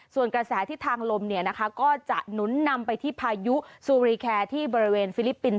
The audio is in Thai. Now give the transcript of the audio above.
ส่วนกระแสที่ทางลมก็จะหนุนนำไปที่พายุซูรีแคร์ที่บริเวณฟิลิปปินส